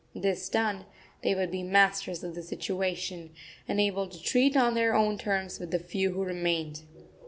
This done, they would be masters of the situation, and able to treat on their own terms with the few who remained.